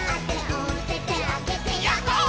「おててあげてやっほー☆」